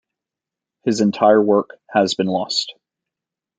His entire work has been lost.